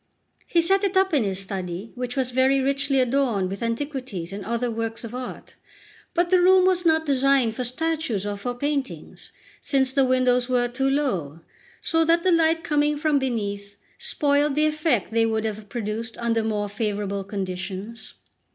He set it up in his study, which was very richly adorned with antiquities and other works of art; but the room was not designed for statues or for paintings, since the windows were too low, so that the light coming from beneath spoiled the effect they would have produced under more favourable conditions.